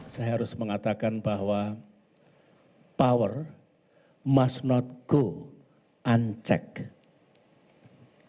saya harus mengatakan bahwa power must not go uncek